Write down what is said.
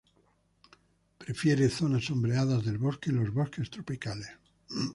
Prefiere zonas sombreadas del bosque en los bosques tropicales.